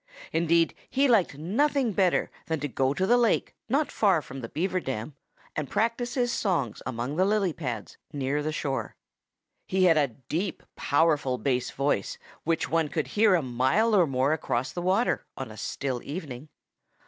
Indeed, he liked nothing better than to go to the lake not far from the Beaver dam and practice his songs among the lily pads near the shore. He had a deep, powerful bass voice, which one could hear a mile or more across the water on a still evening.